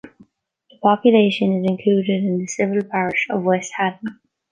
The population is included in the civil parish of West Haddon.